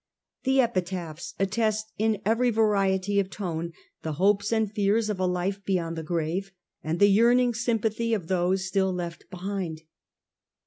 The epitaphs attest in every variety of tone the hopes and fears of a life beyond the grave, and the yearn ing sympathy of those still left behind.